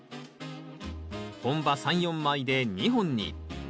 本葉３４枚で２本に。